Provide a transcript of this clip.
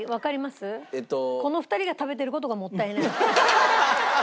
この２人が食べてる事がもったいない。